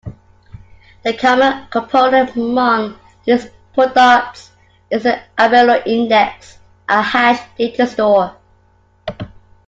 The common component among these products is the Albireo index - a hash datastore.